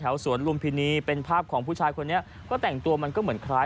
แถวแถวสวนลุมพิณีเป็นภาพของผู้ชายมันเนี้ย